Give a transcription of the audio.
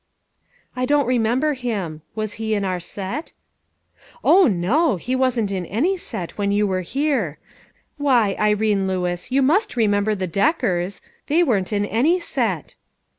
" I don't remember him. Was he in our set ?"" O no ! he wasn't in any set when you were here. Why, Irene Lewis, you must remember the Deckers !. They weren't in any set."